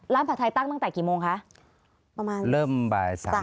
ผัดไทยตั้งตั้งแต่กี่โมงคะประมาณเริ่มบ่ายสาม